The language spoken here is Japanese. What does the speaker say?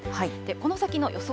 この先の予想